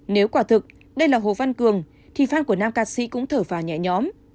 nếu quả thực đây là hồ văn cường thì fan của nam ca sĩ cũng thở vào nhẹ nhõm